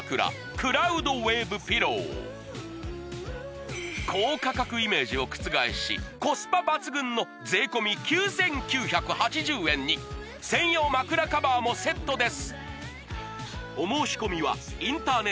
クラウドウェーブピロー高価格イメージを覆しコスパ抜群の税込９９８０円に専用枕カバーもセットです